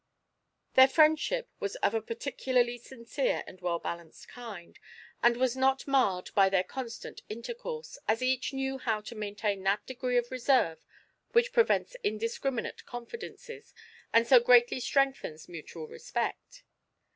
Their friendship was of a particularly sincere and well balanced kind, and was not marred by their constant intercourse, as each knew how to maintain that degree of reserve which prevents indiscriminate confidences and so greatly strengthens mutual respect.